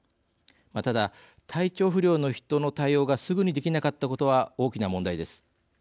ただ体調不良の人の対応がすぐにできなかったことは大きな問題です。